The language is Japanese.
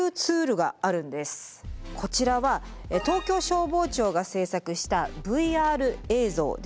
こちらは東京消防庁が制作したＶＲ映像です。